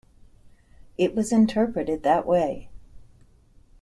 It was interpreted that way.